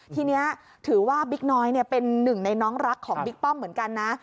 ทีนี้ถือว่าบิ๊กน้อยเป็นหนึ่งในน้องรักของบิ๊กป้อมเหมือนกันนะ